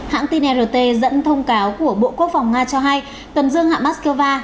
hãng tin rt dẫn thông cáo của bộ quốc phòng nga cho hay tần dương hạng moskva